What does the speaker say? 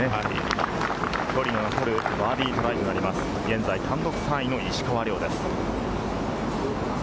距離の残るバーディートライとなります、現在単独３位の石川遼です。